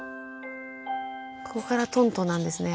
ここからトントンなんですね。